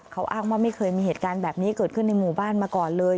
เขาอ้างว่าไม่เคยมีเหตุการณ์แบบนี้เกิดขึ้นในหมู่บ้านมาก่อนเลย